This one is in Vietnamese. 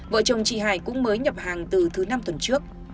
vợ chồng chị hải cũng mới nhập hàng từ thứ năm tuần trước